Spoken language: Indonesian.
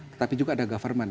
tetapi juga ada government